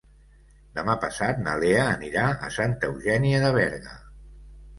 Demà passat na Lea anirà a Santa Eugènia de Berga.